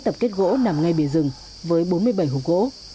tập kết gỗ nằm ngay bề rừng với bốn mươi bảy hộp gỗ